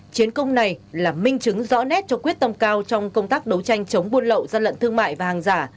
chiến công này là minh chứng rõ nét cho quyết tâm cao trong công tác đấu tranh chống buôn lậu gian lận thương mại và hàng giả